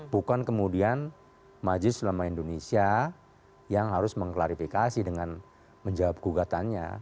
bukan kemudian majlis nama indonesia yang harus mengklarifikasi dengan menjawab gugatannya